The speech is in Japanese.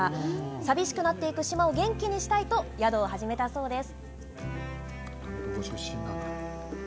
寂しくなっていく島を元気にしたいと宿を始めたそうです。